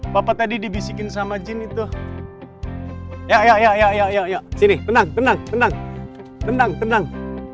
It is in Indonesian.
bapak tadi dibisikin sama jin itu ya ya ya ya ya sini tenang tenang tenang tenang tenang